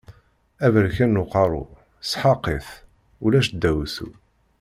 Aberkan n uqeṛṛu, sḥeq-it, ulac daɛwessu.